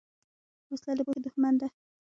وسله د پوهې دښمن ده